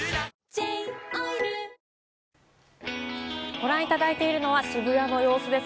ご覧いただいているのは渋谷の様子です。